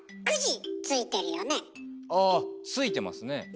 ああ付いてますね。